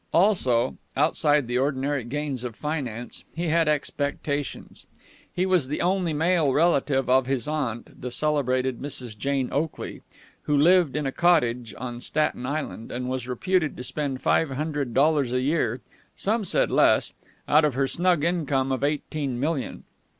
Also outside the ordinary gains of finance he had expectations. He was the only male relative of his aunt, the celebrated Mrs. Jane Oakley, who lived in a cottage on Staten Island, and was reputed to spend five hundred dollars a year some said less out of her snug income of eighteen million.